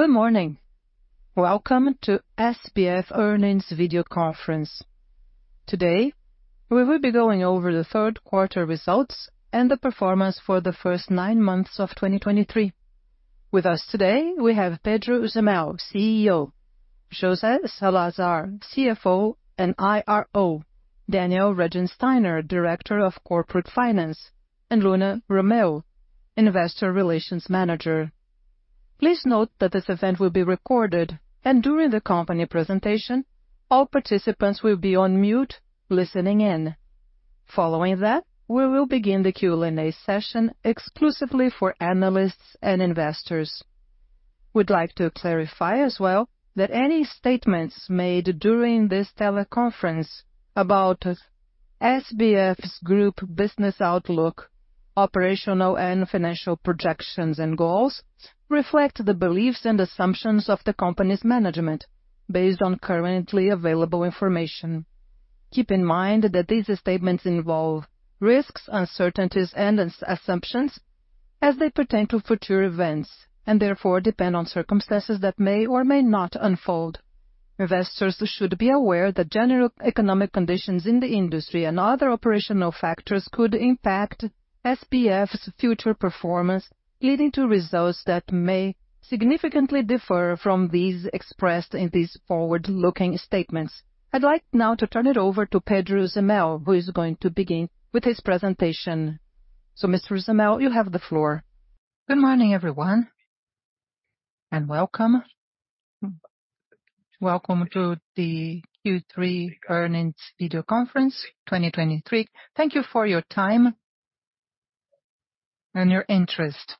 Good morning. Welcome to SBF earnings video conference. Today, we will be going over the third quarter results and the performance for the first nine months of 2023. With us today, we have Pedro Zemel, CEO, José Salazar, CFO and IRO, Daniel Regensteiner, Director of Corporate Finance, and Luna Romeu, Investor Relations Manager. Please note that this event will be recorded, and during the company presentation, all participants will be on mute, listening in. Following that, we will begin the Q&A session exclusively for analysts and investors. We'd like to clarify as well, that any statements made during this teleconference about SBF's Group business outlook, operational and financial projections and goals, reflect the beliefs and assumptions of the company's management based on currently available information. Keep in mind that these statements involve risks, uncertainties, and assumptions as they pertain to future events, and therefore depend on circumstances that may or may not unfold. Investors should be aware that general economic conditions in the industry and other operational factors could impact SBF's future performance, leading to results that may significantly differ from these expressed in these forward-looking statements. I'd like now to turn it over to Pedro Zemel, who is going to begin with his presentation. Mr. Zemel, you have the floor. Good morning, everyone, and welcome. Welcome to the Q3 earnings video conference 2023. Thank you for your time and your interest.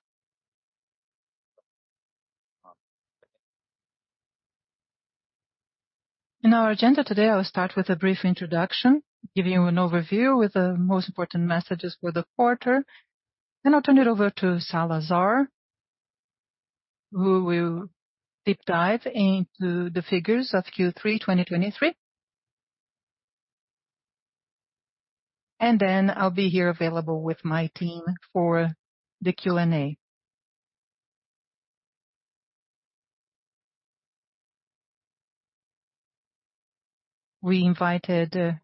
In our agenda today, I'll start with a brief introduction, giving you an overview with the most important messages for the quarter. Then I'll turn it over to Salazar, who will deep dive into the figures of Q3 2023. And then I'll be here available with my team for the Q&A. We invited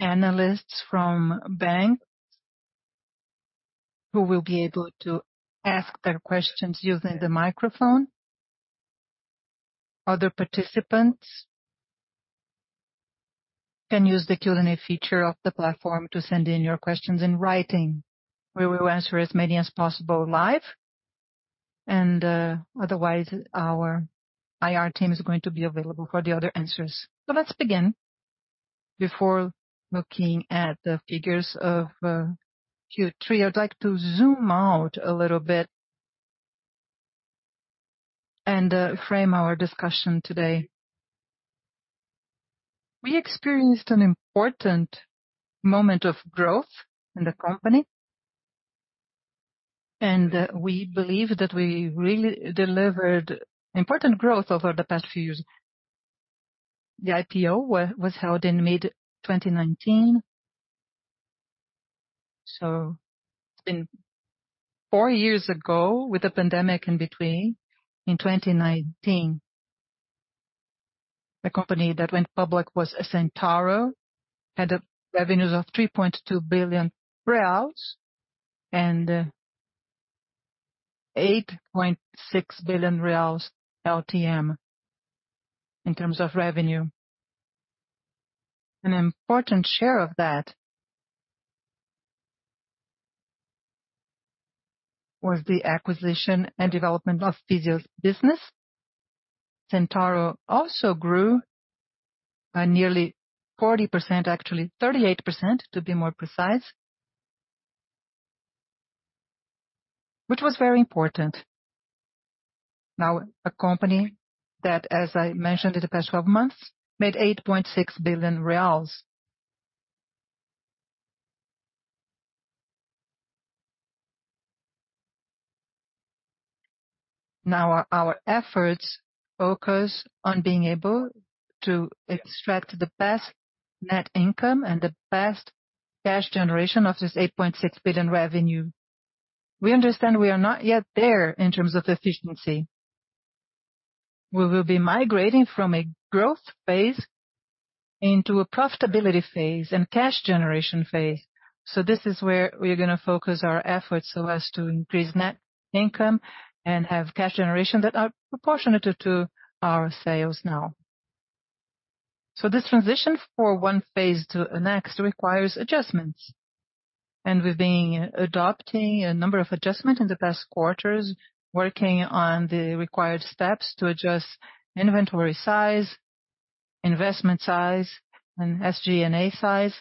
analysts from banks, who will be able to ask their questions using the microphone. Other participants can use the Q&A feature of the platform to send in your questions in writing. We will answer as many as possible live, and otherwise, our IR team is going to be available for the other answers. So let's begin. Before looking at the figures of Q3, I'd like to zoom out a little bit and frame our discussion today. We experienced an important moment of growth in the company, and we believe that we really delivered important growth over the past few years. The IPO was held in mid-2019. So it's been four years ago, with the pandemic in between. In 2019, the company that went public was Centauro, had the revenues of 3.2 billion reais and 8.6 billion reais LTM, in terms of revenue. An important share of that was the acquisition and development of Fisia's business. Centauro also grew by nearly 40%, actually 38%, to be more precise, which was very important. Now, a company that, as I mentioned, in the past 12 months, made 8.6 billion reais. Now our efforts focus on being able to extract the best net income and the best cash generation of this 8.6 billion revenue. We understand we are not yet there in terms of efficiency. We will be migrating from a growth phase into a profitability phase and cash generation phase. So this is where we are gonna focus our efforts so as to increase net income and have cash generation that are proportionate to our sales now. So this transition for one phase to the next requires adjustments, and we've been adopting a number of adjustments in the past quarters, working on the required steps to adjust inventory size, investment size, and SG&A size.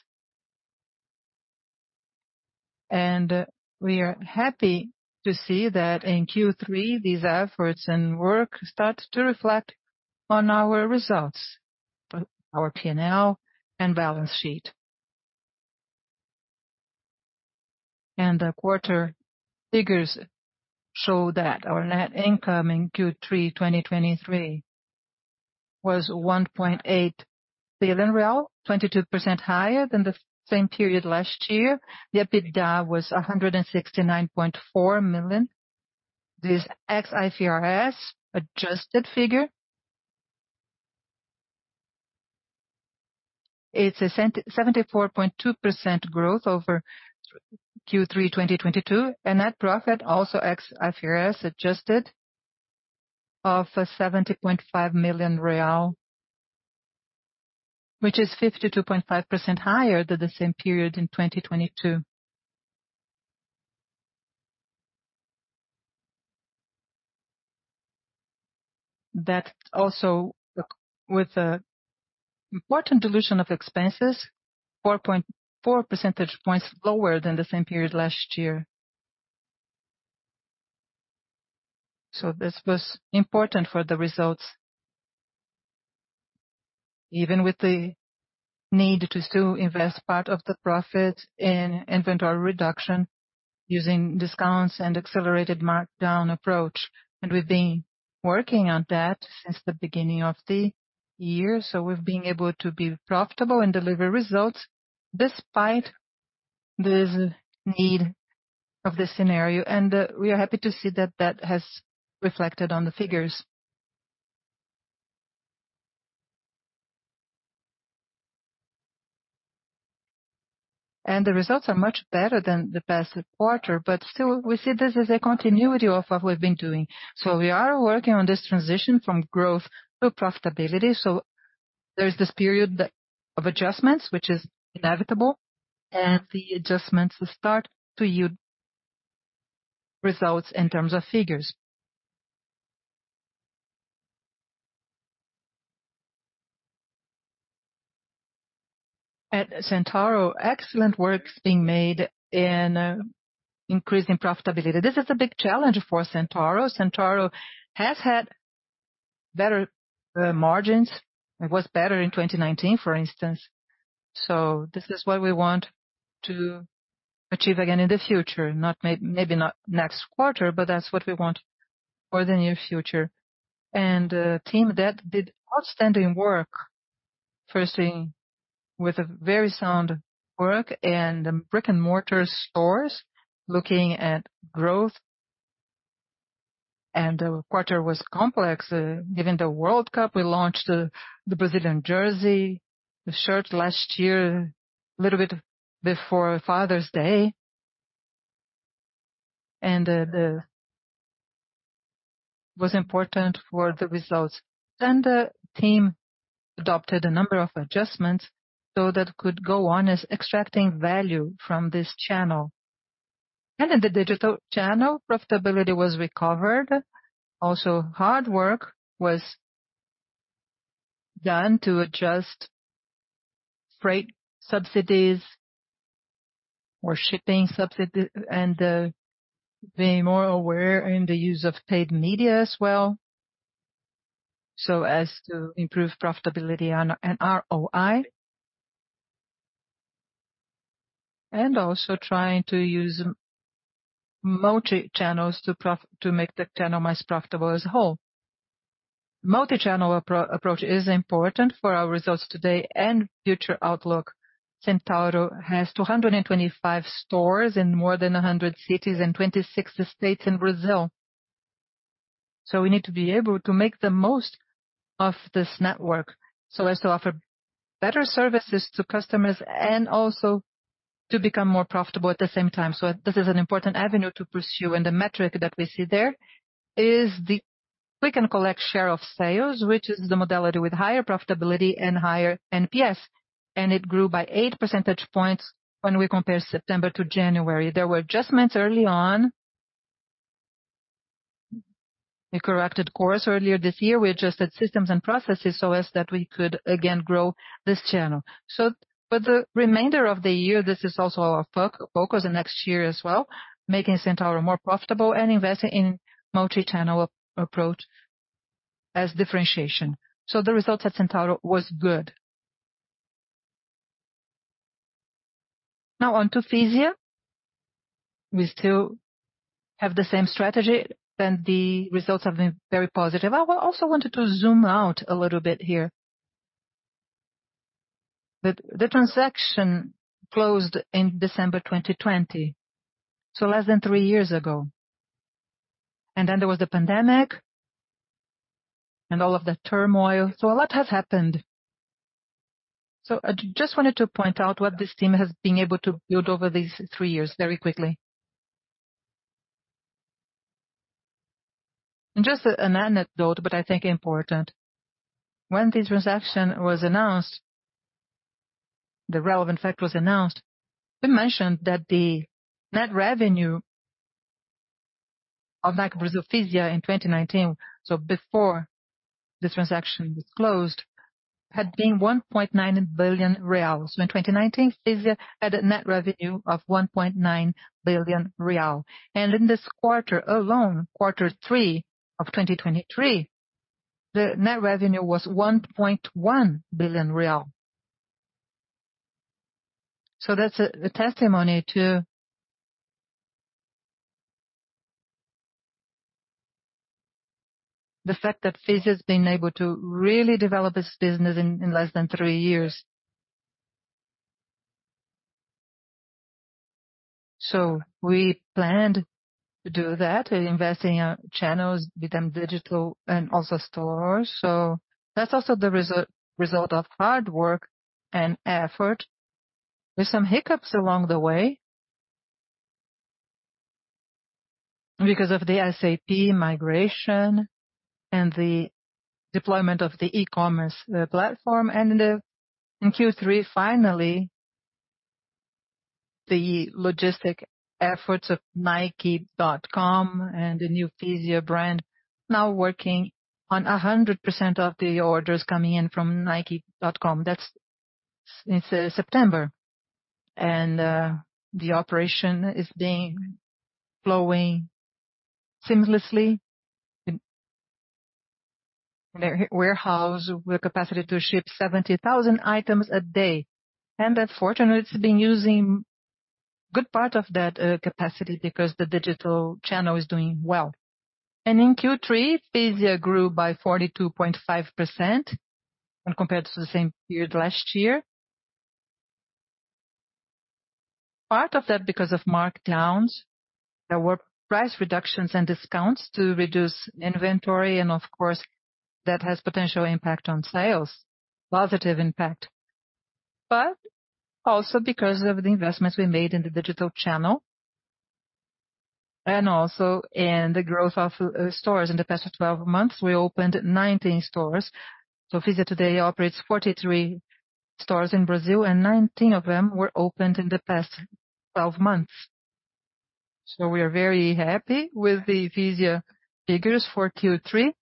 And we are happy to see that in Q3, these efforts and work start to reflect on our results, but our P&L and balance sheet. The quarter figures show that our net income in Q3 2023 was 1.8 billion real, 22% higher than the same period last year. The EBITDA was 169.4 million. This ex-IFRS adjusted figure. It's a 77.4% growth over Q3 2022, and net profit also ex-IFRS, adjusted of 70.5 million real, which is 52.5% higher than the same period in 2022. That also, with the important dilution of expenses, 4.4 percentage points lower than the same period last year. So this was important for the results. Even with the need to still invest part of the profit in inventory reduction, using discounts and accelerated markdown approach, and we've been working on that since the beginning of the year. So we've been able to be profitable and deliver results despite this need of this scenario, and we are happy to see that that has reflected on the figures. The results are much better than the past quarter, but still, we see this as a continuity of what we've been doing. We are working on this transition from growth to profitability. There's this period that of adjustments, which is inevitable, and the adjustments start to yield results in terms of figures. At Centauro, excellent work's being made in increasing profitability. This is a big challenge for Centauro. Centauro has had better margins. It was better in 2019, for instance, so this is what we want to achieve again in the future. Not maybe not next quarter, but that's what we want for the near future. The team there did outstanding work, starting with a very sound work in the brick-and-mortar stores, looking at growth. The quarter was complex, given the World Cup. We launched the Brazilian jersey, the shirt, last year, a little bit before Father's Day. That was important for the results. Then the team adopted a number of adjustments, so that could go on as extracting value from this channel. In the digital channel, profitability was recovered. Also, hard work was done to adjust freight subsidies or shipping subsidy, and being more aware in the use of paid media as well, so as to improve profitability and ROI. Also trying to use multi-channels to make the channel more profitable as a whole. Multi-channel approach is important for our results today and future outlook. Centauro has 225 stores in more than 100 cities and 26 states in Brazil. So we need to be able to make the most of this network so as to offer better services to customers and also to become more profitable at the same time. So this is an important avenue to pursue, and the metric that we see there is the Click and Collect share of sales, which is the modality with higher profitability and higher NPS, and it grew by 8 percentage points when we compare September to January. There were adjustments early on. We corrected course earlier this year. We adjusted systems and processes so that we could again grow this channel. So for the remainder of the year, this is also our focus, and next year as well, making Centauro more profitable and investing in multi-channel approach as differentiation. So the results at Centauro was good. Now on to Fisia. We still have the same strategy, and the results have been very positive. I also wanted to zoom out a little bit here. The transaction closed in December 2020, so less than three years ago. And then there was the pandemic and all of the turmoil, so a lot has happened. So I just wanted to point out what this team has been able to build over these three years very quickly. And just an anecdote, but I think important. When this transaction was announced, the relevant fact was announced, we mentioned that the net revenue of Fisia in Brazil in 2019, so before this transaction was closed, had been 1.9 billion real. In 2019, Fisia had a net revenue of 1.9 billion real, and in this quarter alone, Q3 of 2023, the net revenue was 1.1 billion real. So that's a testimony to the fact that Fisia's been able to really develop its business in less than three years. So we planned to do that, and investing our channels within digital and also stores. So that's also the result of hard work and effort, with some hiccups along the way. Because of the SAP migration and the deployment of the e-commerce platform, and in Q3, finally, the logistic efforts of nike.com and the new Fisia brand, now working on 100% of the orders coming in from nike.com. That's since September. The operation is flowing seamlessly in their warehouse, with capacity to ship 70,000 items a day. That fortunately, it's been using good part of that capacity because the digital channel is doing well. In Q3, Fisia grew by 42.5% when compared to the same period last year. Part of that, because of markdowns, there were price reductions and discounts to reduce inventory, and of course, that has potential impact on sales, positive impact. But also because of the investments we made in the digital channel, and also in the growth of stores. In the past 12 months, we opened 19 stores. Fisia today operates 43 stores in Brazil, and 19 of them were opened in the past12 months. We are very happy with the Fisia figures for Q3.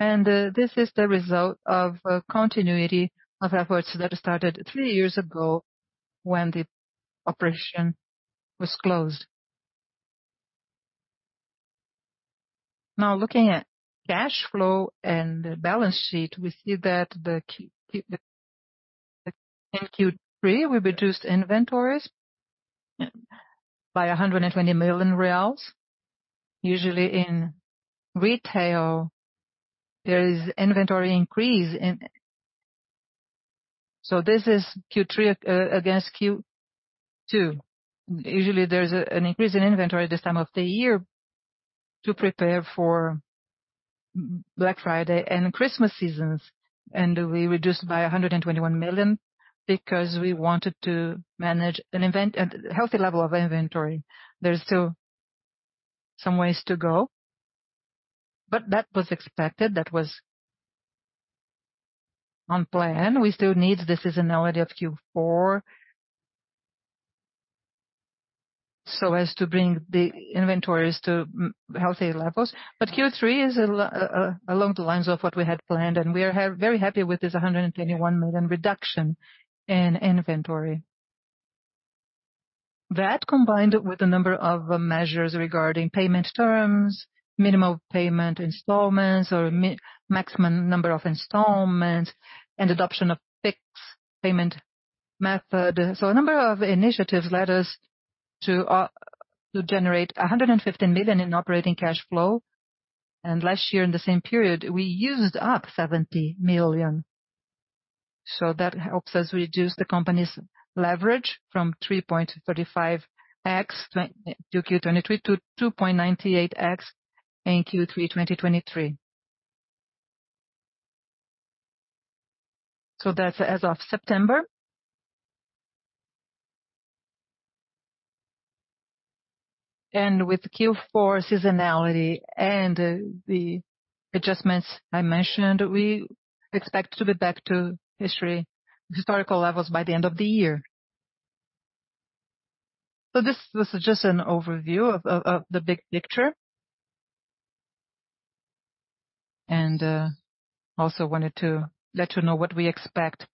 This is the result of a continuity of efforts that started three years ago when the operation was closed. Now, looking at cash flow and the balance sheet, we see that the key in Q3, we reduced inventories by 120 million reais. Usually in retail, there is inventory increase. So this is Q3 against Q2. Usually, there's an increase in inventory at this time of the year to prepare for Black Friday and Christmas seasons, and we reduced by 121 million because we wanted to manage a healthy level of inventory. There's still some ways to go, but that was expected, that was on plan. We still need the seasonality of Q4, so as to bring the inventories to healthy levels. But Q3 is along the lines of what we had planned, and we are very happy with this 121 million reduction in inventory. That, combined with a number of measures regarding payment terms, minimum payment installments, maximum number of installments, and adoption of fixed payment method. So a number of initiatives led us to generate 115 million in operating cash flow, and last year, in the same period, we used up 70 million. So that helps us reduce the company's leverage from 3.35x Q2 2023 to 2.98x in Q3 2023. So that's as of September. And with Q4 seasonality and the adjustments I mentioned, we expect to be back to historical levels by the end of the year. So this was just an overview of the big picture. Also wanted to let you know what we expect.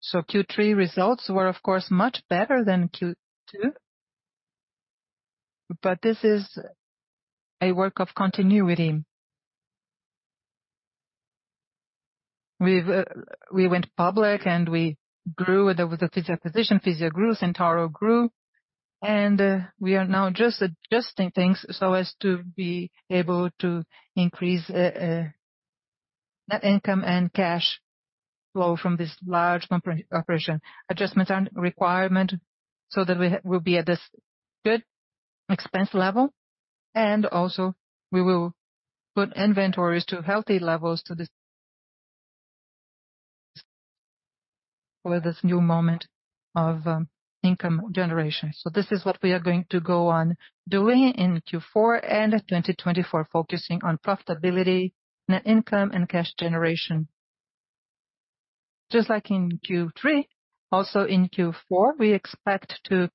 So Q3 results were, of course, much better than Q2, but this is a work of continuity. We've, we went public and we grew, there was a Fisia position, Fisia grew, Centauro grew, and, we are now just adjusting things so as to be able to increase, net income and cash flow from this large comprehensive operation. Adjustments are required so that we, we'll be at this good expense level, and also we will put inventories to healthy levels to this with this new moment of, income generation. So this is what we are going to go on doing in Q4 and 2024, focusing on profitability, net income, and cash generation. Just like in Q3, also in Q4, we expect to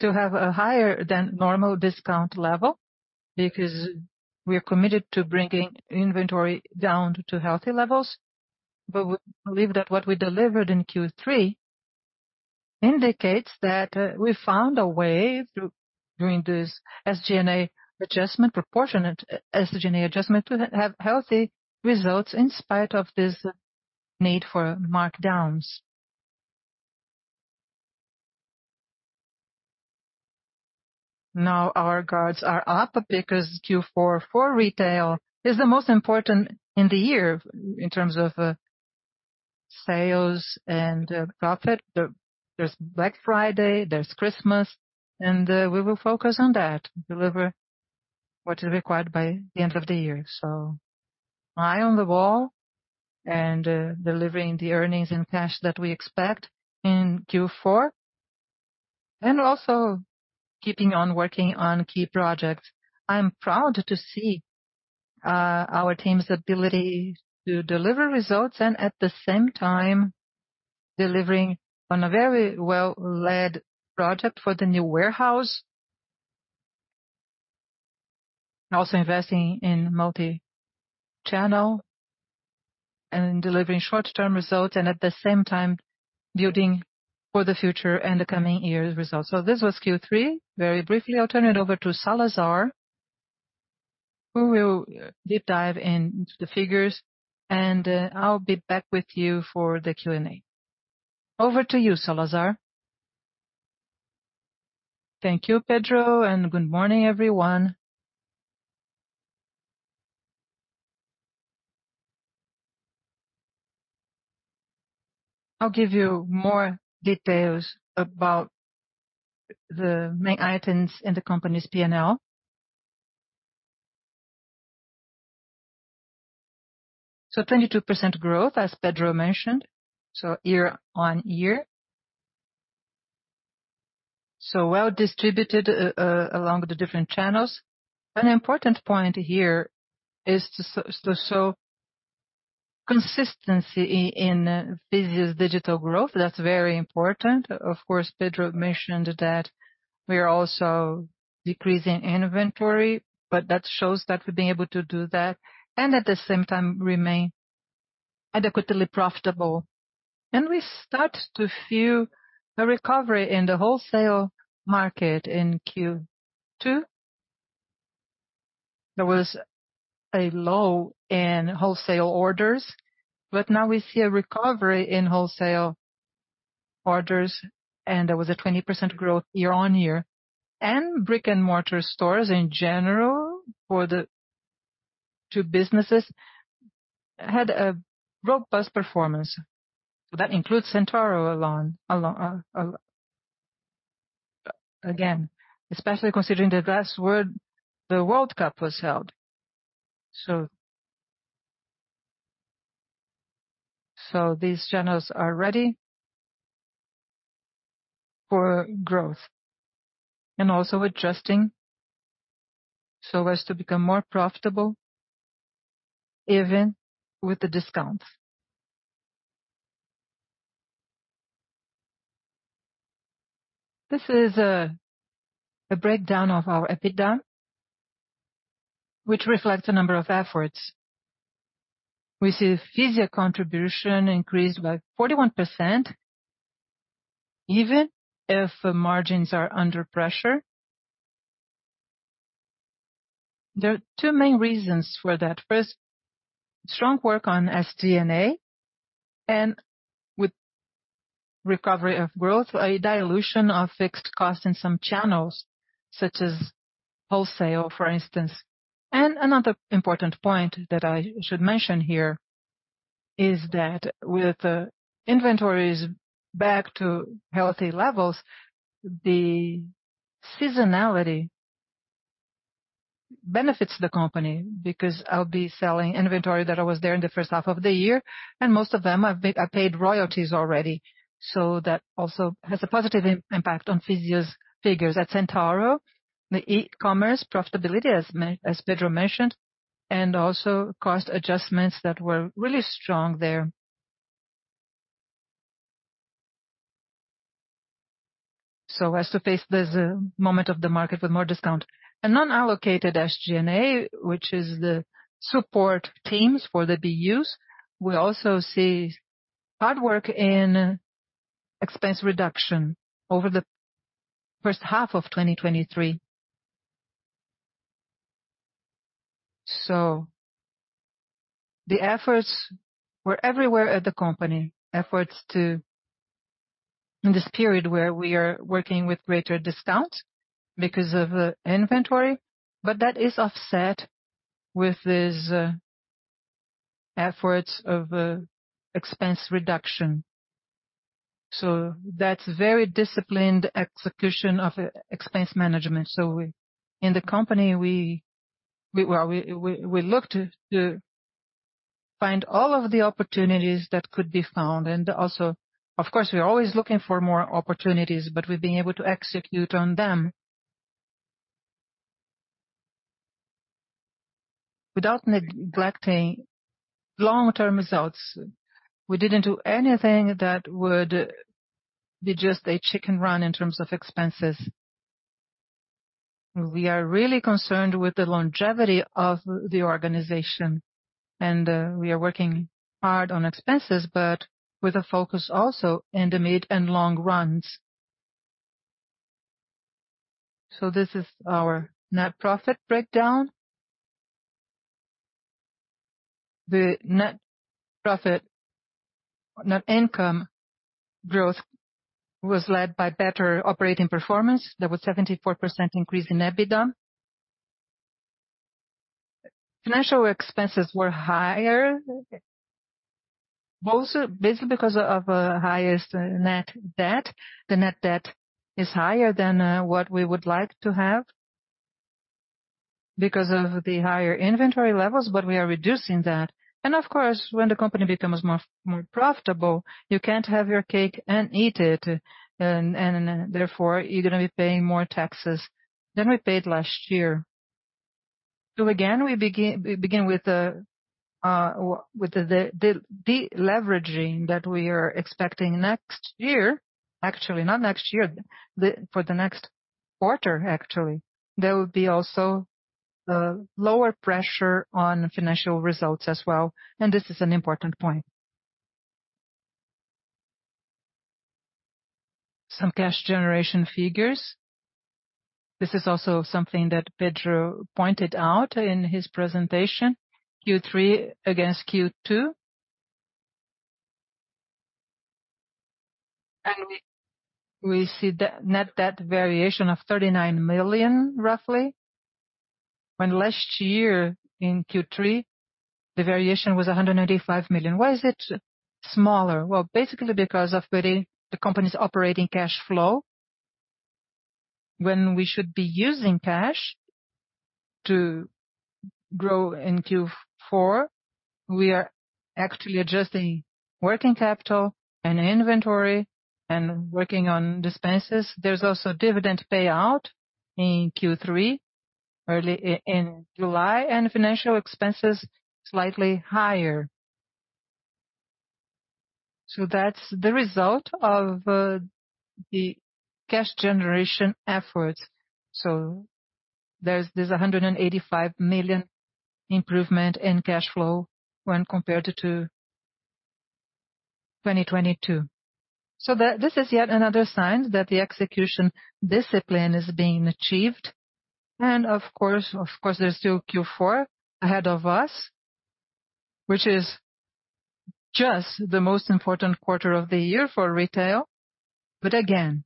have a higher than normal discount level because we are committed to bringing inventory down to healthy levels. But we believe that what we delivered in Q3 indicates that we found a way through doing this SG&A adjustment, proportionate SG&A adjustment, to have healthy results in spite of this need for markdowns. Now our guards are up because Q4 for retail is the most important in the year in terms of sales and profit. There's Black Friday, there's Christmas, and we will focus on that, deliver what is required by the end of the year. So eye on the ball and delivering the earnings and cash that we expect in Q4, and also keeping on working on key projects. I'm proud to see, our team's ability to deliver results and at the same time, delivering on a very well-led project for the new warehouse. Also investing in multi-channel and delivering short-term results, and at the same time, building for the future and the coming years' results. This was Q3 very briefly. I'll turn it over to Salazar, who will deep dive into the figures, and, I'll be back with you for the Q&A. Over to you, Salazar. Thank you, Pedro, and good morning, everyone. I'll give you more details about the main items in the company's P&L. 22% growth, as Pedro mentioned, YoY. Well distributed, along the different channels. An important point here is to so, so consistency in physical, digital growth, that's very important. Of course, Pedro mentioned that we are also decreasing inventory, but that shows that we've been able to do that, and at the same time remain adequately profitable. We start to feel a recovery in the wholesale market in Q2. There was a low in wholesale orders, but now we see a recovery in wholesale orders, and there was a 20% growth year-on-year. Brick-and-mortar stores, in general, for the two businesses, had a robust performance. That includes Centauro along. Again, especially considering the last World Cup was held. So these channels are ready for growth and also adjusting so as to become more profitable even with the discounts. This is a breakdown of our EBITDA, which reflects a number of efforts. We see Fisia contribution increased by 41%, even if margins are under pressure. There are two main reasons for that. First, strong work on SG&A, and with recovery of growth, a dilution of fixed costs in some channels, such as wholesale, for instance. And another important point that I should mention here is that with the inventories back to healthy levels, the seasonality benefits the company, because I'll be selling inventory that I was there in the first half of the year, and most of them I've paid royalties already, so that also has a positive impact on Fisia's figures. At Centauro, the e-commerce profitability, as Pedro mentioned, and also cost adjustments that were really strong there. So as to face this moment of the market with more discount. And non-allocated SG&A, which is the support teams for the BUs, we also see hard work in expense reduction over the first half of 2023. So the efforts were everywhere at the company, efforts to... In this period where we are working with greater discount because of inventory, but that is offset with these efforts of expense reduction. So that's very disciplined execution of expense management. So, in the company, we look to find all of the opportunities that could be found. And also, of course, we're always looking for more opportunities, but we've been able to execute on them. Without neglecting long-term results, we didn't do anything that would be just a chicken run in terms of expenses. We are really concerned with the longevity of the organization, and we are working hard on expenses, but with a focus also in the mid and long runs... So this is our net profit breakdown. The net profit, net income growth was led by better operating performance. There was a 74% increase in EBITDA. Financial expenses were higher, both basically because of highest net debt. The net debt is higher than what we would like to have because of the higher inventory levels, but we are reducing that. And of course, when the company becomes more profitable, you can't have your cake and eat it, and therefore, you're gonna be paying more taxes than we paid last year. So again, we begin with the deleveraging that we are expecting next year, actually, not next year, for the next quarter, actually, there will be also a lower pressure on financial results as well, and this is an important point. Some cash generation figures. This is also something that Pedro pointed out in his presentation, Q3 against Q2. We see the net debt variation of 39 million, roughly, when last year in Q3, the variation was 195 million. Why is it smaller? Well, basically because of the company's operating cash flow. When we should be using cash to grow in Q4, we are actually adjusting working capital and inventory and working on expenses. There's also dividend payout in Q3, early in July, and financial expenses slightly higher. So that's the result of the cash generation efforts. So there's a 185 million improvement in cash flow when compared to 2022. So that, this is yet another sign that the execution discipline is being achieved. Of course, of course, there's still Q4 ahead of us, which is just the most important quarter of the year for retail. But again,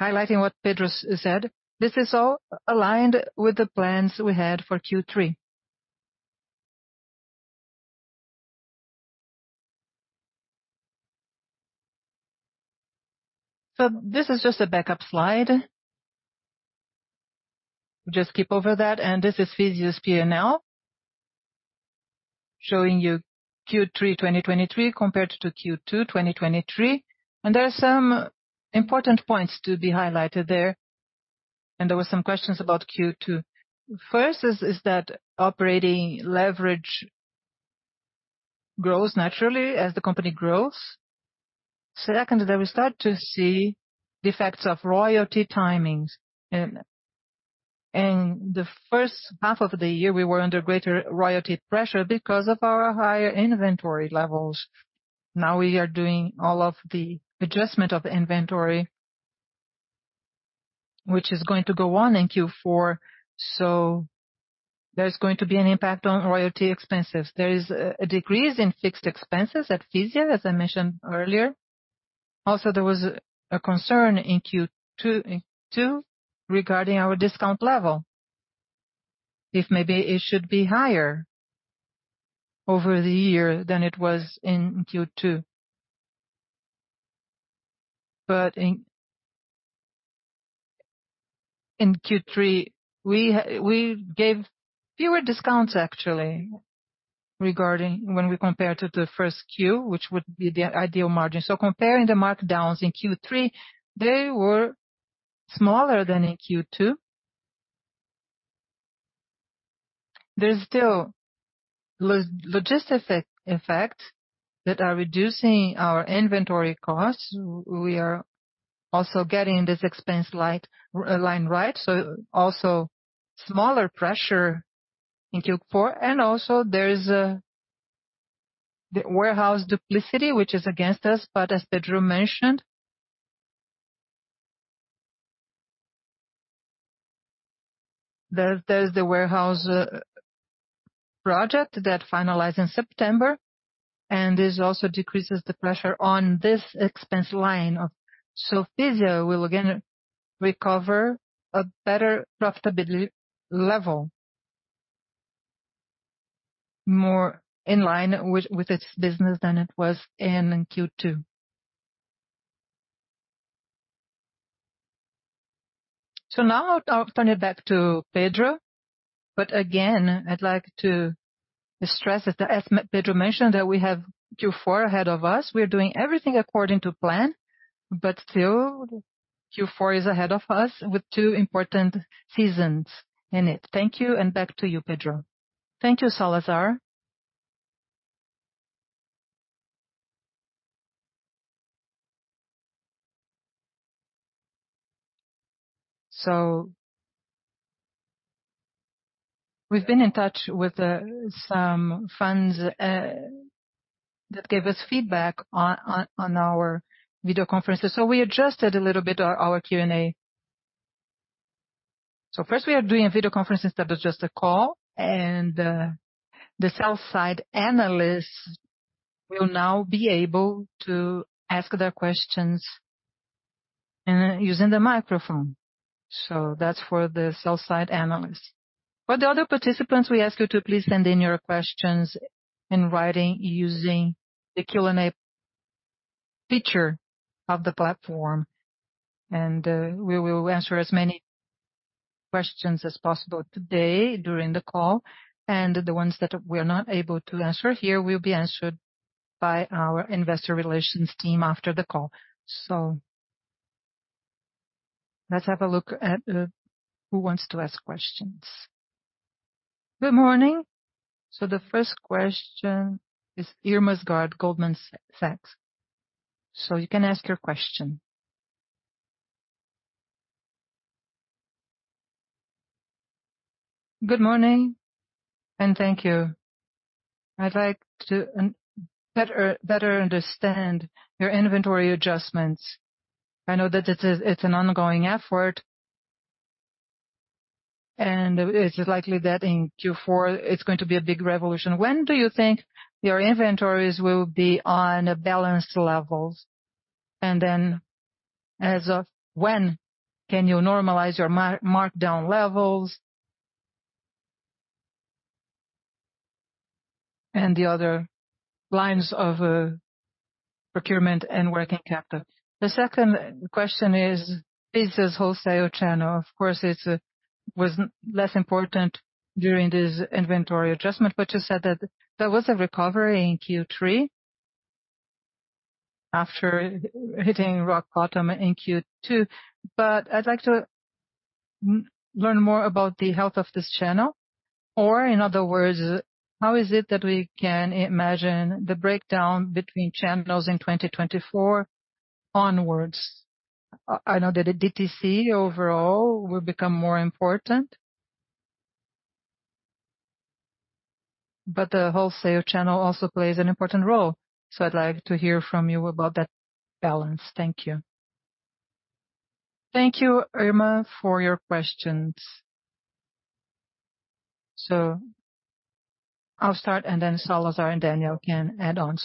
highlighting what Pedro said, this is all aligned with the plans we had for Q3. So this is just a backup slide. Just skip over that, and this is Fisia's P&L, showing you Q3, 2023 compared to Q2, 2023. And there are some important points to be highlighted there, and there were some questions about Q2. First is, is that operating leverage grows naturally as the company grows. Second, that we start to see the effects of royalty timings. And the first half of the year, we were under greater royalty pressure because of our higher inventory levels. Now, we are doing all of the adjustment of inventory, which is going to go on in Q4, so there's going to be an impact on royalty expenses. There is a decrease in fixed expenses at Fisia, as I mentioned earlier. Also, there was a concern in Q2 regarding our discount level, if maybe it should be higher over the year than it was in Q2. But in Q3, we gave fewer discounts, actually, regarding when we compared to the Q1, which would be the ideal margin. So comparing the markdowns in Q3, they were smaller than in Q2. There's still logistics effects that are reducing our inventory costs. We are also getting this expense line right, so also smaller pressure in Q4. Also there's the warehouse duplicity, which is against us, but as Pedro mentioned, there's the warehouse project that finalized in September, and this also decreases the pressure on this expense line of— So Fisia will again recover a better profitability level, more in line with its business than it was in Q2. Now I'll turn it back to Pedro. But again, I'd like to stress, as Pedro mentioned, that we have Q4 ahead of us. We're doing everything according to plan, but still, Q4 is ahead of us with two important seasons in it. Thank you, and back to you, Pedro. Thank you, Salazar. So we've been in touch with some funds that gave us feedback on our video conferences, so we adjusted a little bit our Q&A. So first, we are doing a video conference instead of just a call, and, the sell side analysts will now be able to ask their questions, using the microphone. So that's for the sell side analysts. For the other participants, we ask you to please send in your questions in writing using the Q&A feature of the platform, and, we will answer as many questions as possible today during the call, and the ones that we're not able to answer here, will be answered by our investor relations team after the call. So let's have a look at, who wants to ask questions. Good morning. So the first question is Irma Sgarz, Goldman Sachs. So you can ask your question. Good morning, and thank you. I'd like to understand your inventory adjustments. I know that it's an ongoing effort, and it's likely that in Q4, it's going to be a big revolution. When do you think your inventories will be on balanced levels? And then, as of when can you normalize your markdown levels, and the other lines of procurement and working capital? The second question is, this wholesale channel, of course, was less important during this inventory adjustment, but you said that there was a recovery in Q3 after hitting rock bottom in Q2. But I'd like to learn more about the health of this channel, or in other words, how is it that we can imagine the breakdown between channels in 2024 onwards? I know that the DTC overall will become more important, but the wholesale channel also plays an important role, so I'd like to hear from you about that balance. Thank you. Thank you, Irma, for your questions. So I'll start, and then Salazar and Daniel can add on.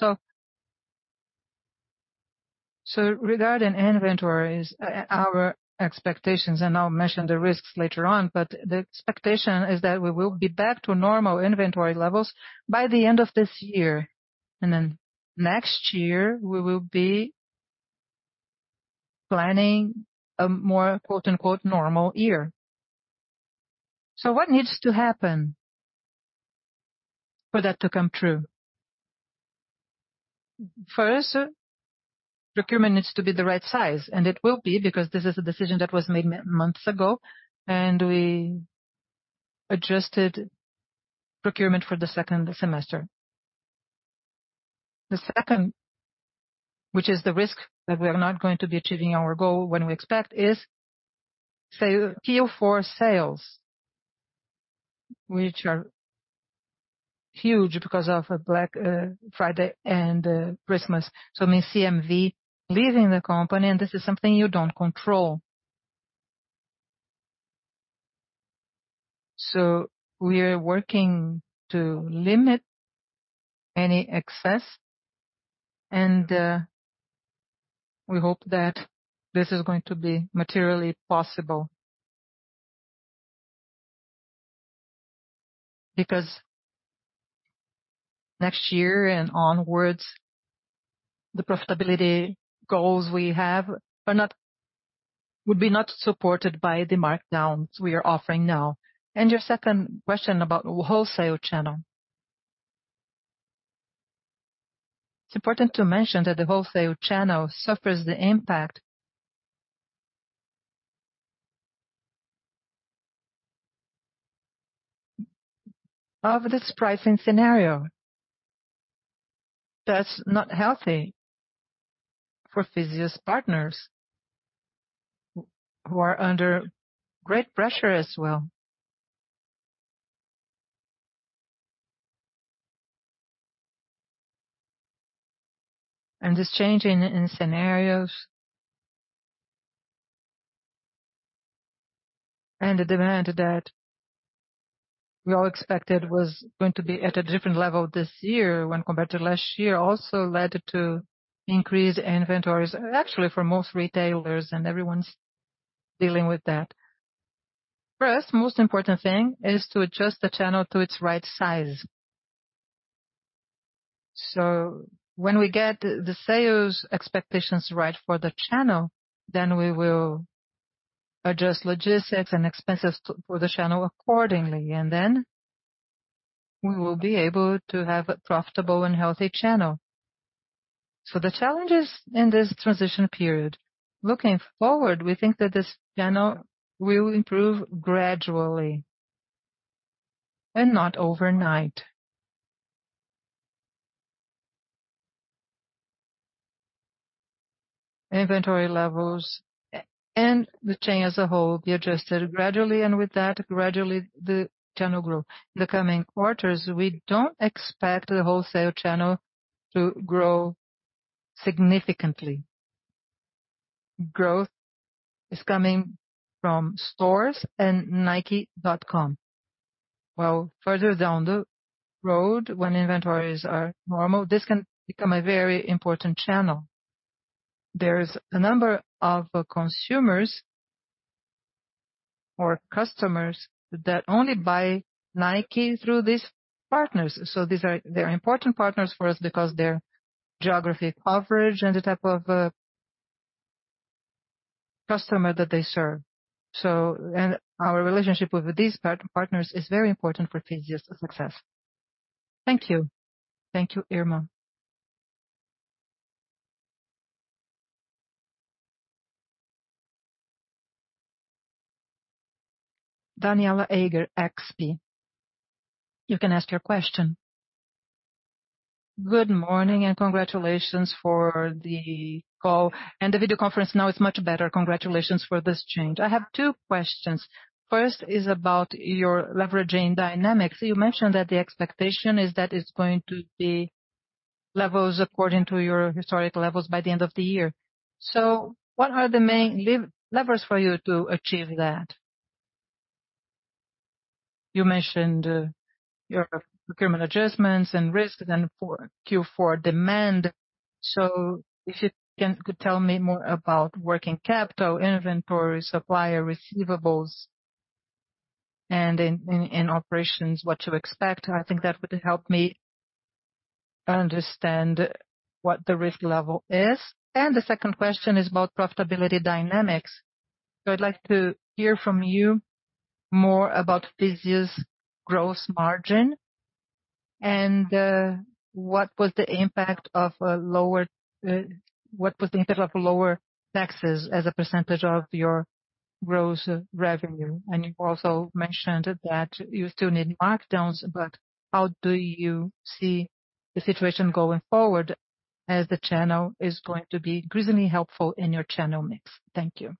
So, so regarding inventories, our expectations, and I'll mention the risks later on, but the expectation is that we will be back to normal inventory levels by the end of this year. And then next year, we will be planning a more, quote, unquote, "normal year." So what needs to happen for that to come true? First, procurement needs to be the right size, and it will be because this is a decision that was made months ago, and we adjusted procurement for the second semester. The second, which is the risk that we are not going to be achieving our goal when we expect, is Q4 sales, which are huge because of Black Friday and Christmas. So I mean, CMV leaving the company, and this is something you don't control. So we are working to limit any excess, and we hope that this is going to be materially possible. Because next year and onwards, the profitability goals we have are not would be not supported by the markdowns we are offering now. And your second question about wholesale channel. It's important to mention that the wholesale channel suffers the impact of this pricing scenario. That's not healthy for Fisia's partners who are under great pressure as well. This changing in scenarios, and the demand that we all expected was going to be at a different level this year when compared to last year, also led to increased inventories, actually, for most retailers, and everyone's dealing with that. For us, most important thing is to adjust the channel to its right size. So when we get the sales expectations right for the channel, then we will adjust logistics and expenses to for the channel accordingly, and then we will be able to have a profitable and healthy channel. So the challenges in this transition period, looking forward, we think that this channel will improve gradually and not overnight. Inventory levels and the chain as a whole be adjusted gradually, and with that, gradually, the channel grow. The coming quarters, we don't expect the wholesale channel to grow significantly. Growth is coming from stores and nike.com. Well, further down the road, when inventories are normal, this can become a very important channel. There's a number of consumers or customers that only buy Nike through these partners. So these are—they are important partners for us because their geography coverage and the type of customer that they serve. So—and our relationship with these partners is very important for this year's success. Thank you. Thank you, Irma. Danniela Eiger, XP, you can ask your question. Good morning, and congratulations for the call and the video conference. Now it's much better. Congratulations for this change. I have two questions. First is about your leveraging dynamics. You mentioned that the expectation is that it's going to be levels according to your historical levels by the end of the year. So what are the main levers for you to achieve that? You mentioned your procurement adjustments and risk, then, for Q4 demand. So if you could tell me more about working capital, inventory, supplier, receivables, and in operations, what to expect. I think that would help me understand what the risk level is. And the second question is about profitability dynamics. So I'd like to hear from you more about this year's gross margin and, what was the impact of, lower, what was the impact of lower taxes as a percentage of your gross revenue? And you also mentioned that you still need markdowns, but how do you see the situation going forward as the channel is going to be increasingly helpful in your channel mix? Thank you.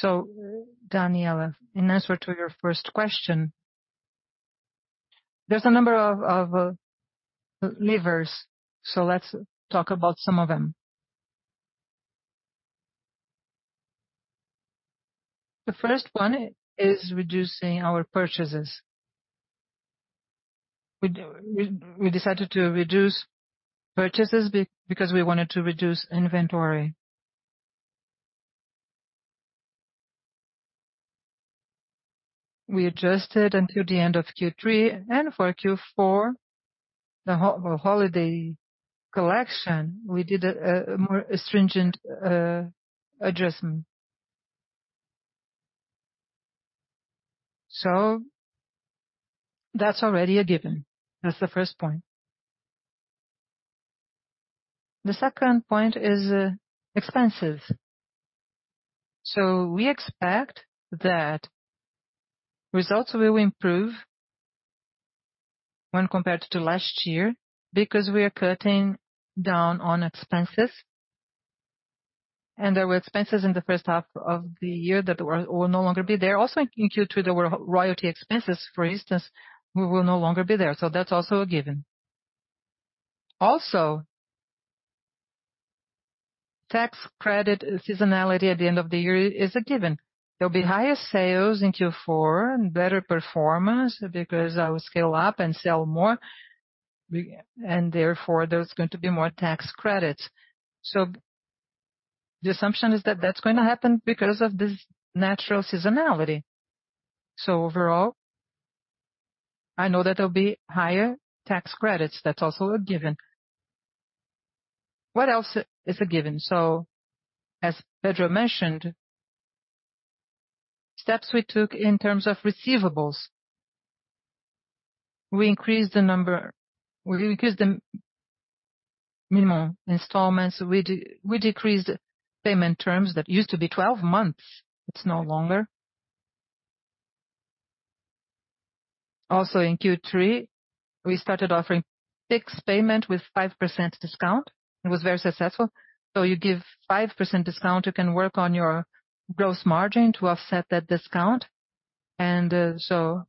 So, Danniela, in answer to your first question, there's a number of levers, so let's talk about some of them. The first one is reducing our purchases. We decided to reduce purchases because we wanted to reduce inventory. We adjusted until the end of Q3, and for Q4, the holiday collection, we did a more stringent adjustment. So that's already a given. That's the first point. The second point is expenses. So we expect that results will improve when compared to last year because we are cutting down on expenses, and there were expenses in the first half of the year that will no longer be there. Also, in Q2, there were royalty expenses, for instance, we will no longer be there. So that's also a given. Also, tax credit seasonality at the end of the year is a given. There'll be higher sales in Q4 and better performance because I will scale up and sell more, and therefore, there's going to be more tax credits. So the assumption is that that's going to happen because of this natural seasonality. So overall, I know that there'll be higher tax credits. That's also a given. What else is a given? So, as Pedro mentioned, steps we took in terms of receivables, we increased the minimum installments. We decreased payment terms that used to be 12 months. It's no longer. Also, in Q3, we started offering fixed payment with 5% discount. It was very successful. So you give 5% discount, you can work on your gross margin to offset that discount. And so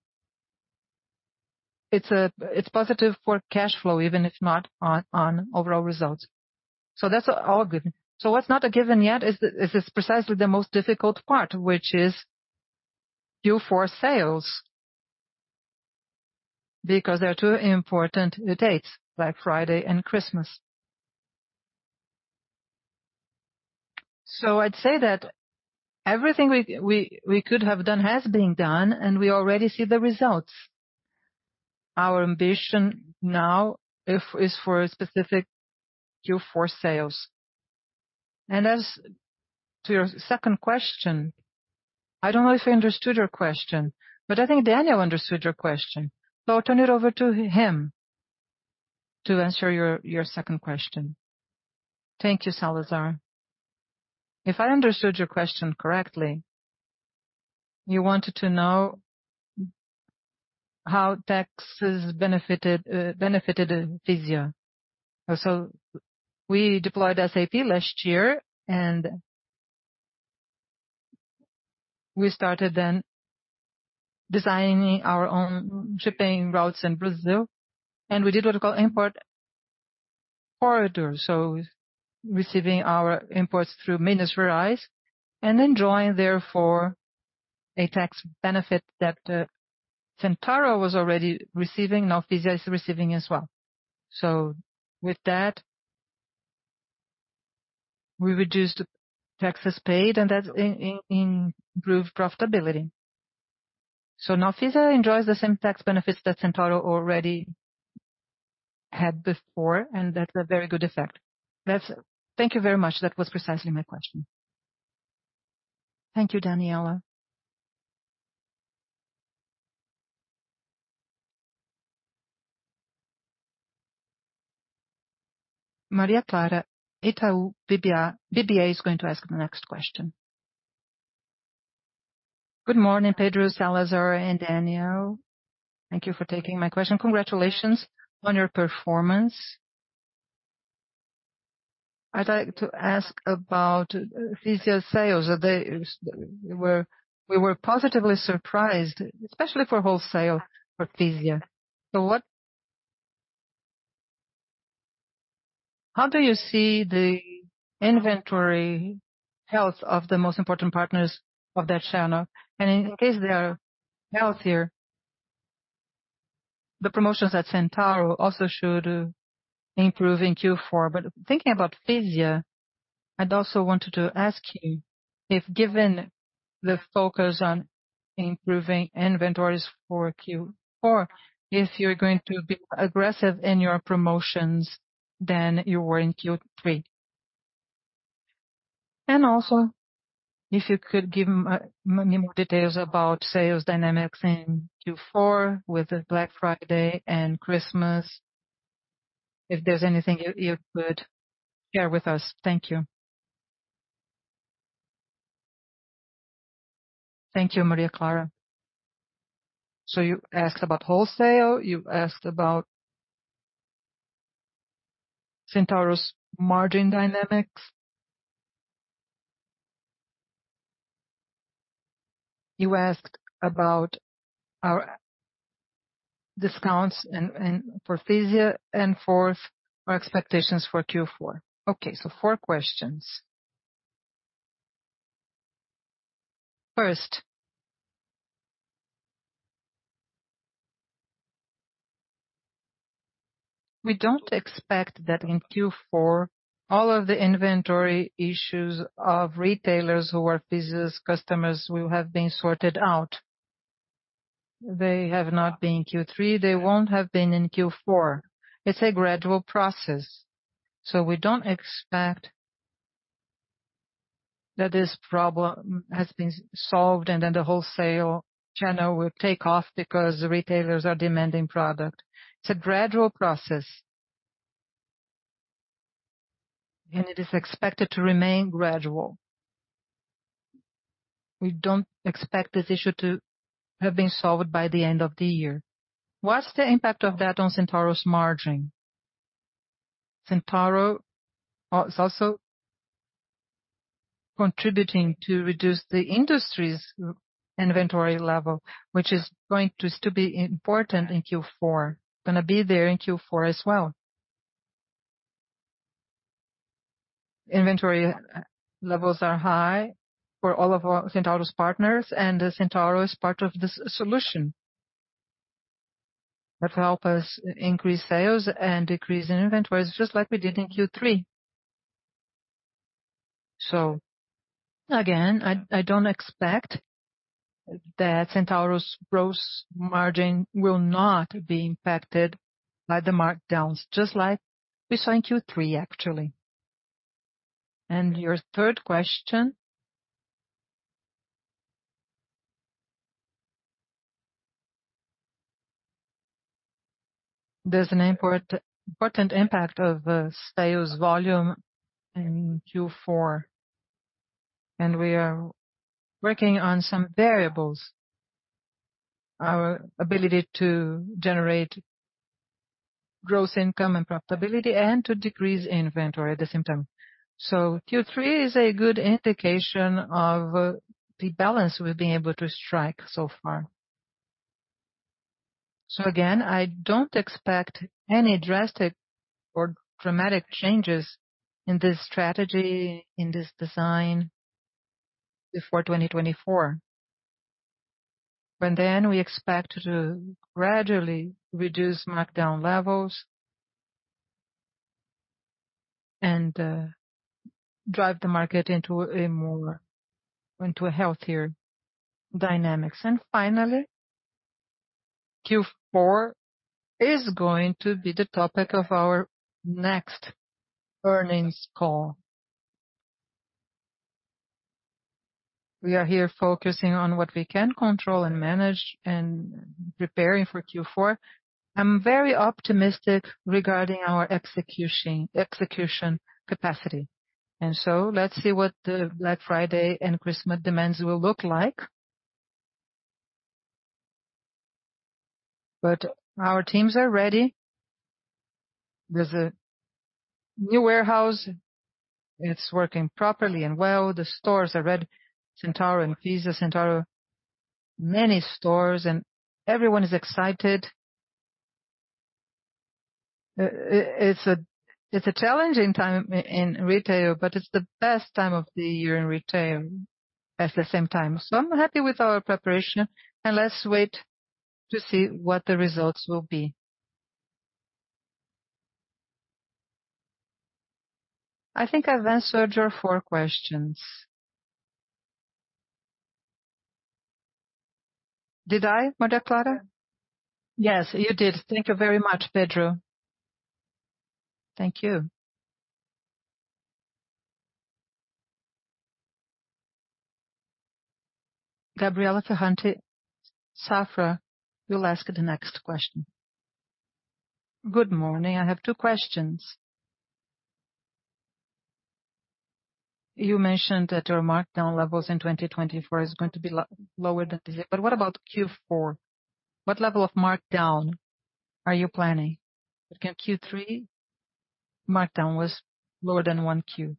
it's positive for cash flow, even if not on overall results. So that's all given. So what's not a given yet is precisely the most difficult part, which is Q4 sales, because there are two important dates, Black Friday and Christmas. So I'd say that everything we could have done has been done, and we already see the results. Our ambition now is for a specific Q4 sales. And as to your second question, I don't know if I understood your question, but I think Daniel understood your question, so I'll turn it over to him to answer your second question. Thank you, Salazar. If I understood your question correctly, you wanted to know how taxes benefited Fisia. So we deployed SAP last year, and we started then designing our own shipping routes in Brazil, and we did what we call import corridor. So receiving our imports through Minas Gerais, and enjoying, therefore, a tax benefit that Centauro was already receiving, now Fisia is receiving as well. So with that, we reduced the taxes paid, and that's improved profitability. So now Fisia enjoys the same tax benefits that Centauro already had before, and that's a very good effect. That's. Thank you very much. That was precisely my question. Thank you, Daniela. Maria Clara Infantozzi, Itaú BBA, BBA is going to ask the next question. Good morning, Pedro, Salazar, and Daniel. Thank you for taking my question. Congratulations on your performance. I'd like to ask about Fisia sales. We were positively surprised, especially for wholesale for Fisia. So how do you see the inventory health of the most important partners of that channel? And in case they are healthier, the promotions at Centauro also should improve in Q4. But thinking about Fisia, I'd also wanted to ask you if, given the focus on improving inventories for Q4, if you're going to be aggressive in your promotions than you were in Q3. And also, if you could give more details about sales dynamics in Q4 with the Black Friday and Christmas, if there's anything you could share with us. Thank you. Thank you, Maria Clara. So you asked about wholesale, you asked about Centauro's margin dynamics. You asked about our discounts and for Fisia, and fourth, our expectations for Q4. Okay, so four questions. First, we don't expect that in Q4, all of the inventory issues of retailers who are Fisia's customers will have been sorted out. They have not been in Q3, they won't have been in Q4. It's a gradual process, so we don't expect that this problem has been solved, and then the wholesale channel will take off because the retailers are demanding product. It's a gradual process, and it is expected to remain gradual. We don't expect this issue to have been solved by the end of the year. What's the impact of that on Centauro's margin? Centauro is also contributing to reduce the industry's inventory level, which is going to still be important in Q4, gonna be there in Q4 as well. Inventory levels are high for all of our Centauro's partners, and Centauro is part of this solution. That help us increase sales and decrease inventory, just like we did in Q3. So again, I don't expect that Centauro's gross margin will not be impacted by the markdowns, just like we saw in Q3, actually. And your third question... There's an important impact of sales volume in Q4, and we are working on some variables, our ability to generate gross income and profitability, and to decrease inventory at the same time. So Q3 is a good indication of the balance we've been able to strike so far. So again, I don't expect any drastic or dramatic changes in this strategy, in this design before 2024. But then we expect to gradually reduce markdown levels and drive the market into a healthier dynamics. And finally, Q4 is going to be the topic of our next earnings call. We are here focusing on what we can control and manage and preparing for Q4. I'm very optimistic regarding our execution capacity. And so let's see what the Black Friday and Christmas demands will look like. But our teams are ready. There's a new warehouse, it's working properly and well. The stores are Rede Centauro and Cias Centauro, many stores, and everyone is excited. It's a challenging time in retail, but it's the best time of the year in retail at the same time. So I'm happy with our preparation, and let's wait to see what the results will be. I think I've answered your 4 questions. Did I, Maria Clara? Yes, you did. Thank you very much, Pedro. Thank you. Gabriela Ferrante, Safra, will ask the next question. Good morning. I have two questions. You mentioned that your markdown levels in 2024 is going to be lower than this year, but what about Q4? What level of markdown are you planning? In Q3, markdown was lower than Q1.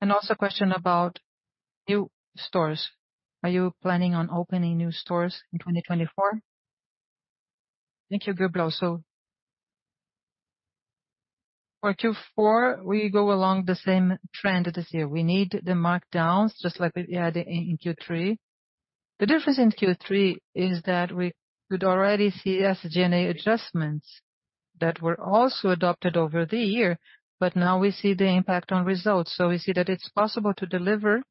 And also a question about new stores. Are you planning on opening new stores in 2024? Thank you, Gabriela. So for Q4, we go along the same trend this year. We need the markdowns, just like we had in Q3. The difference in Q3 is that we could already see SG&A adjustments that were also adopted over the year, but now we see the impact on results. So we see that it's possible to deliver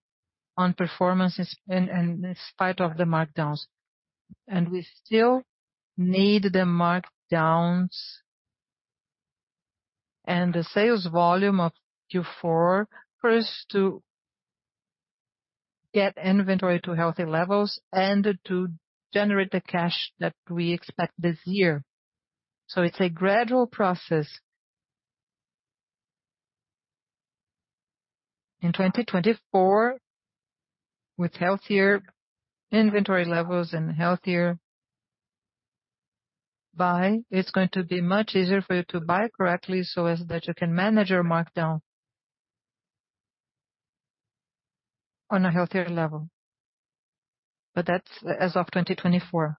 on performances in spite of the markdowns. And we still need the markdowns and the sales volume of Q4 for us to get inventory to healthy levels and to generate the cash that we expect this year. So it's a gradual process. In 2024, with healthier inventory levels and healthier buy, it's going to be much easier for you to buy correctly so as that you can manage your markdown on a healthier level. But that's as of 2024.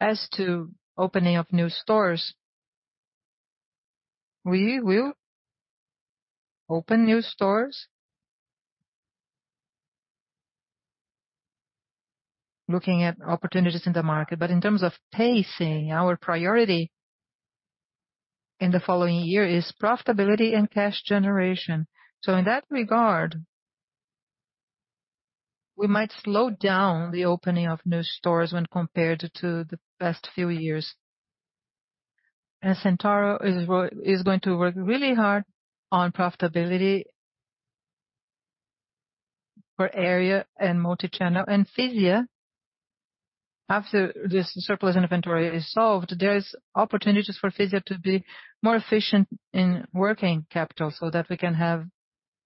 As to opening of new stores, we will open new stores looking at opportunities in the market. But in terms of pacing, our priority in the following year is profitability and cash generation. So in that regard, we might slow down the opening of new stores when compared to the past few years. And Centauro is going to work really hard on profitability for area and multi-channel. And Fisia, after this surplus inventory is solved, there is opportunities for Fisia to be more efficient in working capital so that we can have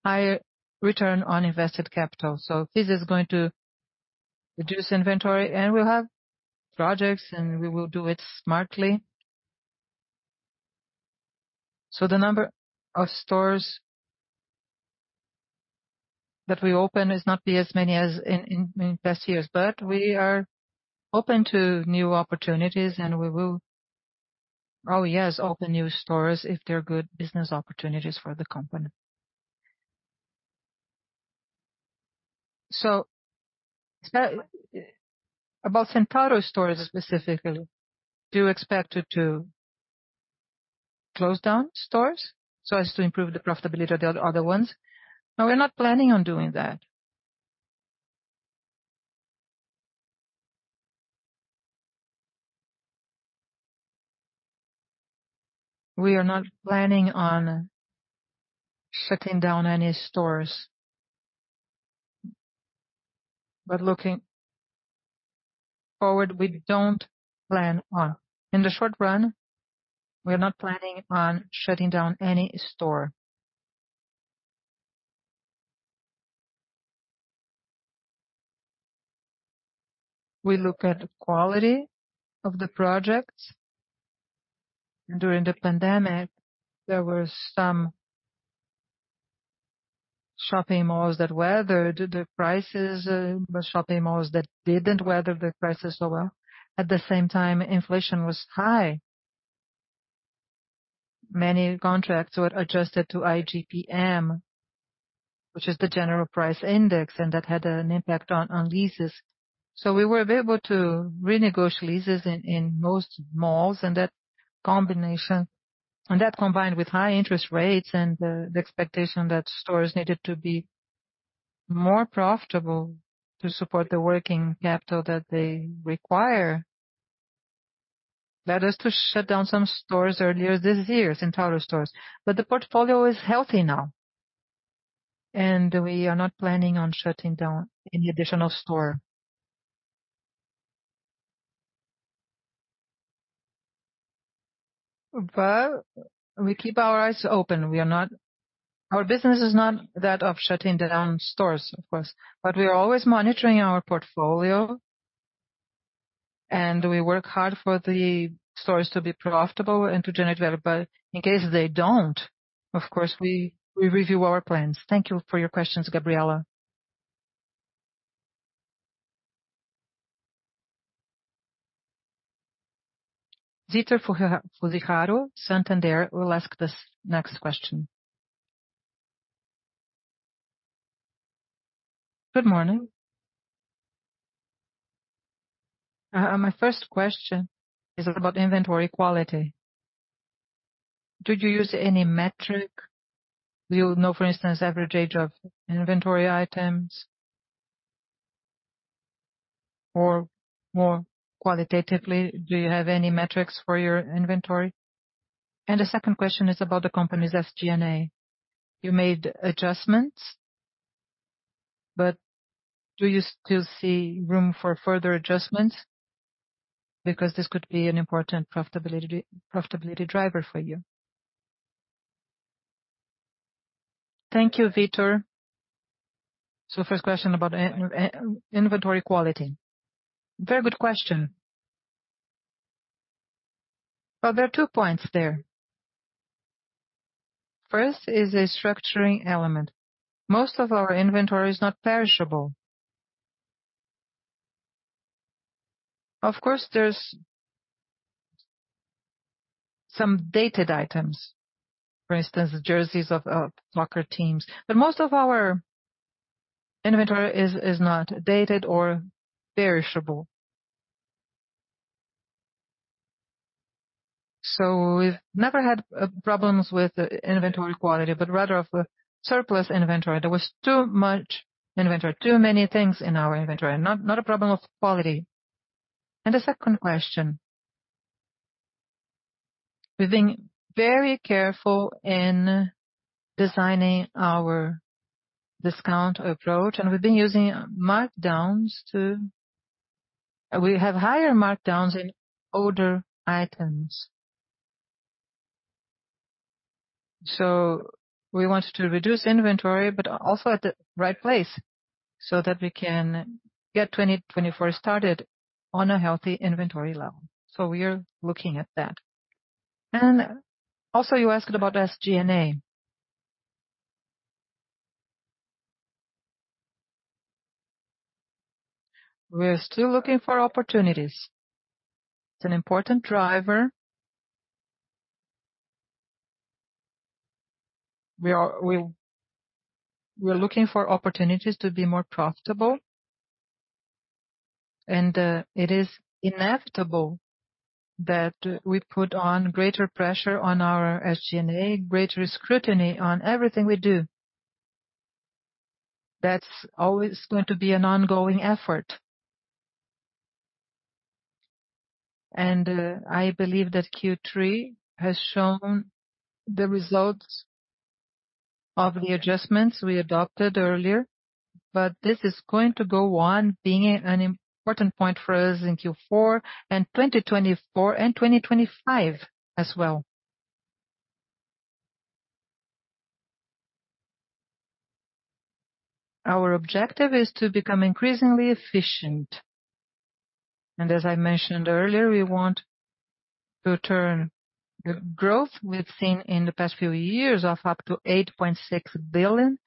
higher return on invested capital. So Fisia is going to reduce inventory, and we'll have projects, and we will do it smartly. So the number of stores that we open is not be as many as in past years, but we are open to new opportunities, and we will, oh, yes, open new stores if they're good business opportunities for the company. So, about Centauro stores specifically, do you expect it to close down stores so as to improve the profitability of the other ones? No, we're not planning on doing that. We are not planning on shutting down any stores. But looking forward, we don't plan on. In the short run, we're not planning on shutting down any store. We look at the quality of the projects. During the pandemic, there were some shopping malls that weathered the prices, but shopping malls that didn't weather the prices so well. At the same time, inflation was high. Many contracts were adjusted to IGPM, which is the general price index, and that had an impact on leases. So we were able to renegotiate leases in most malls, and that, combined with high interest rates and the expectation that stores needed to be more profitable to support the working capital that they require, led us to shut down some stores earlier this year, Centauro stores. But the portfolio is healthy now, and we are not planning on shutting down any additional store. Well, we keep our eyes open. We are not. Our business is not that of shutting down stores, of course, but we are always monitoring our portfolio, and we work hard for the stores to be profitable and to generate value. But in case they don't, of course, we review our plans. Thank you for your questions, Gabriela. Vitor Fuzikawa, Santander, will ask this next question. Good morning. My first question is about inventory quality. Do you use any metric? Do you know, for instance, average age of inventory items? Or more qualitatively, do you have any metrics for your inventory? And the second question is about the company's SG&A. You made adjustments, but do you still see room for further adjustments? Because this could be an important profitability, profitability driver for you. Thank you, Vitor. So first question about inventory quality. Very good question. Well, there are two points there. First is a structuring element. Most of our inventory is not perishable. Of course, there's some dated items, for instance, the jerseys of soccer teams, but most of our inventory is not dated or perishable. So we've never had problems with inventory quality, but rather of surplus inventory. There was too much inventory, too many things in our inventory, not, not a problem of quality. And the second question: we've been very careful in designing our discount approach, and we've been using markdowns to. We have higher markdowns in older items. So we want to reduce inventory, but also at the right place, so that we can get 2024 started on a healthy inventory level. So we are looking at that. And also, you asked about SG&A. We're still looking for opportunities. It's an important driver. We are. We, we're looking for opportunities to be more profitable, and, it is inevitable that we put on greater pressure on our SG&A, greater scrutiny on everything we do. That's always going to be an ongoing effort. I believe that Q3 has shown the results of the adjustments we adopted earlier, but this is going to go on being an important point for us in Q4 and 2024 and 2025 as well. Our objective is to become increasingly efficient, and as I mentioned earlier, we want to turn the growth we've seen in the past few years of up to 8.6 billion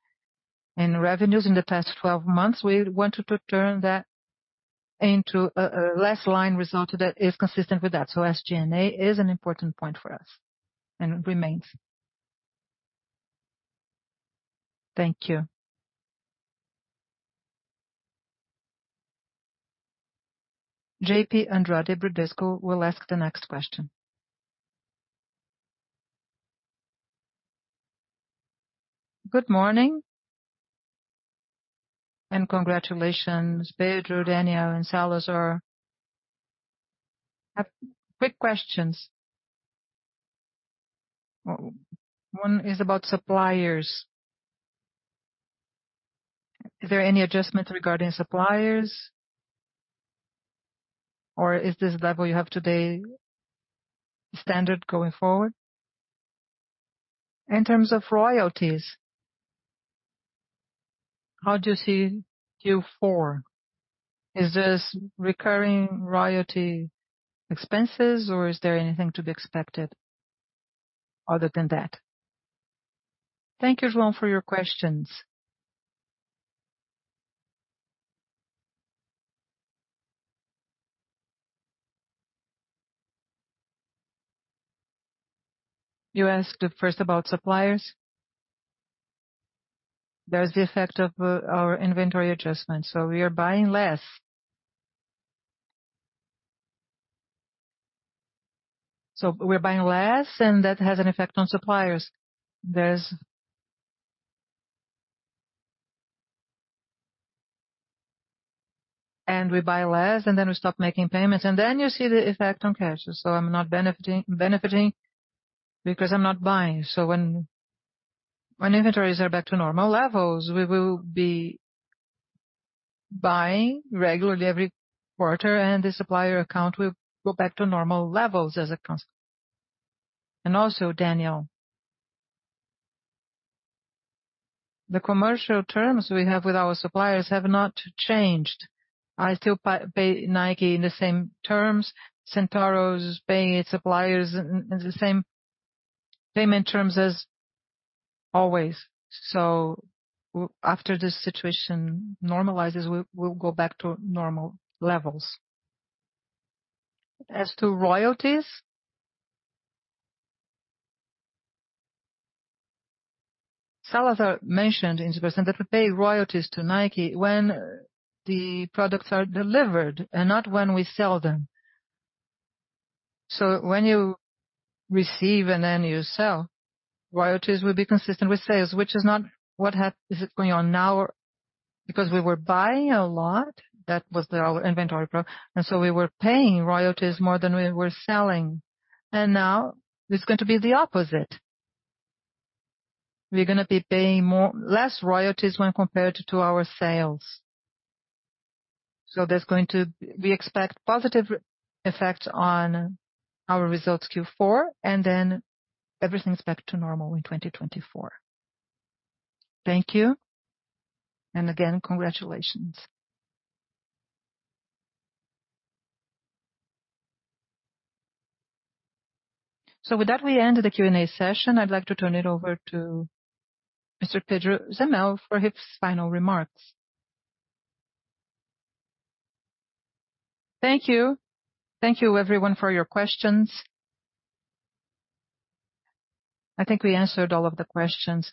in revenues in the past12 months; we wanted to turn that into a last line result that is consistent with that. So SG&A is an important point for us and remains. Thank you. JP Andrade, Bradesco will ask the next question. Good morning, and congratulations, Pedro, Daniel, and Salazar. I have quick questions. One is about suppliers. Is there any adjustment regarding suppliers, or is this level you have today standard going forward? In terms of royalties, how do you see Q4? Is this recurring royalty expenses, or is there anything to be expected other than that? Thank you, JP, for your questions. You asked first about suppliers. There is the effect of our inventory adjustments, so we are buying less. So we're buying less, and that has an effect on suppliers. We buy less, and then we stop making payments, and then you see the effect on cash. So I'm not benefiting, benefiting because I'm not buying. So when inventories are back to normal levels, we will be buying regularly every quarter, and the supplier account will go back to normal levels as a consequence. And also, Daniel, the commercial terms we have with our suppliers have not changed. I still pay Nike in the same terms. Centauro is paying its suppliers in the same payment terms as always. So after this situation normalizes, we'll go back to normal levels. As to royalties, Salazar mentioned in his presentation that we pay royalties to Nike when the products are delivered and not when we sell them. So when you receive and then you sell, royalties will be consistent with sales, which is not what is going on now, because we were buying a lot, that was our inventory and so we were paying royalties more than we were selling, and now it's going to be the opposite. We're gonna be paying less royalties when compared to our sales. So we expect positive effects on our results Q4, and then everything's back to normal in 2024. Thank you, and again, congratulations. So with that, we end the Q&A session. I'd like to turn it over to Mr. Pedro Zemel for his final remarks. Thank you. Thank you, everyone, for your questions. I think we answered all of the questions,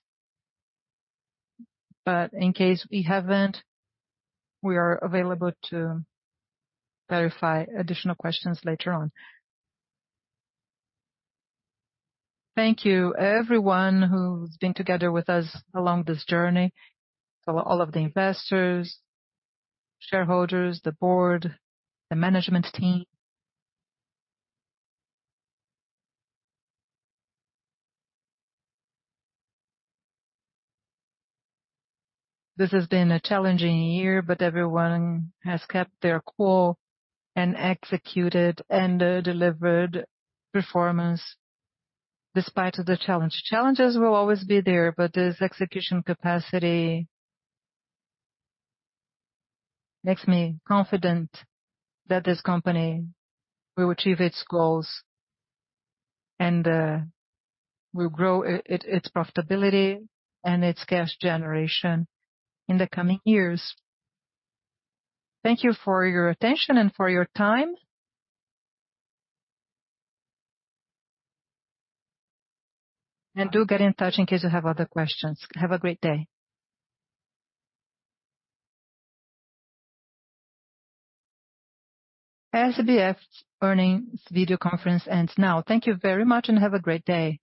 but in case we haven't, we are available to verify additional questions later on. Thank you everyone who's been together with us along this journey. So all of the investors, shareholders, the board, the management team. This has been a challenging year, but everyone has kept their cool and executed and delivered performance despite of the challenge. Challenges will always be there, but this execution capacity makes me confident that this company will achieve its goals, and will grow its profitability and its cash generation in the coming years. Thank you for your attention and for your time. And do get in touch in case you have other questions. Have a great day. SBF's earnings video conference ends now. Thank you very much, and have a great day!